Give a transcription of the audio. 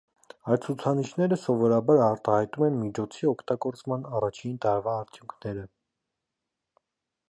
Այդ ցուցանիշները սովորաբար արտահայտում են միջոցի օգտագործման առաջին տարվա արդյունքները։